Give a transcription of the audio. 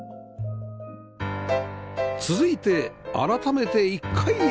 続いて改めて１階へ